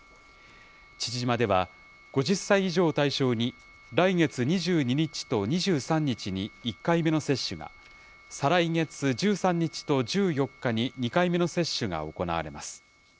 父島では、５０歳以上を対象に、来月２２日と２３日に１回目の接種が、再来月１３日と１４日に２回目の接種が行われます。